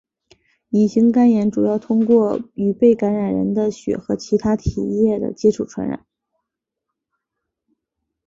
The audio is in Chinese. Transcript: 乙型肝炎主要通过与被感染的人的血和其它体液的接触传染。